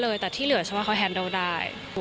เพราะว่ามีเพื่อนซีอย่างน้ำชาชีระนัทอยู่เคียงข้างเสมอค่ะ